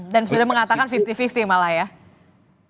dan sudah mengatakan lima puluh lima puluh malah ya